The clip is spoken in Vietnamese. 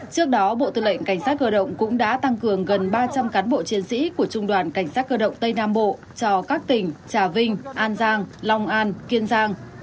trước đó bộ tư lệnh cảnh sát cơ động cũng đã tăng cường gần ba trăm linh cán bộ chiến sĩ của trung đoàn cảnh sát cơ động tây nam bộ cho các tỉnh trà vinh an giang long an kiên giang